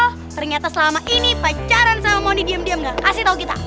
ternyata selama ini pacaran sama mondi diam diam gak ngasih tau kita